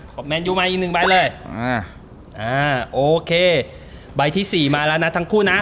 แมนยูมาอีกหนึ่งใบเลยอ่าอ่าโอเคใบที่สี่มาแล้วนะทั้งคู่นะ